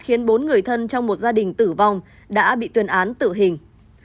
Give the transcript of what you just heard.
khiến bốn người thân trong một gia đình tử vong đã bị tuyên án tử hình